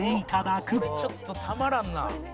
「これちょっとたまらんな！」